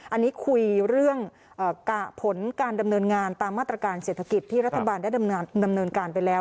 อันนี้คุยเรื่องผลการดำเนินงานตามมาตรการเศรษฐกิจที่รัฐบาลได้ดำเนินการไปแล้ว